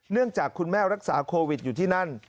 จากคุณแม่รักษาโควิดอยู่ที่นั่น